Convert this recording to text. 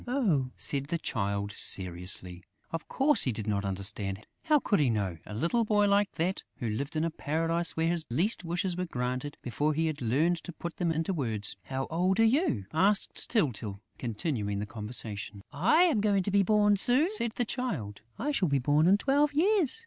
"Oh!" said the Child, seriously. Of course, he did not understand. How could he know, a little boy like that, who lived in a paradise where his least wishes were granted before he had learned to put them into words? "How old are you?" asked Tyltyl, continuing the conversation. "I am going to be born soon," said the Child. "I shall be born in twelve years....